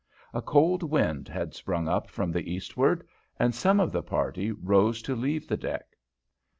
A cold wind had sprung up from the eastward, and some of the party rose to leave the deck.